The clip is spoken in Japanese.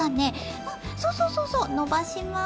うんそうそうそうそうのばします。